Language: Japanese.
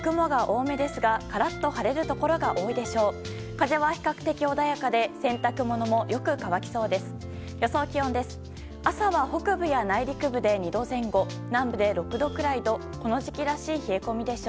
風は比較的穏やかで洗濯物もよく乾きそうです。